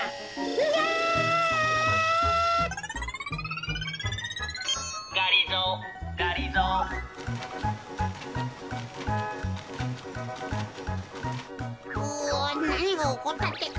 うわなにがおこったってか。